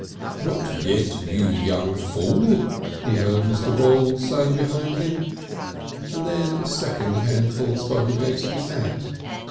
"Not yet, you young fool!" he heard Mr. Voules saying behind him, and then a second handful spoke against his hat.